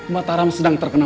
mataram sedang terkena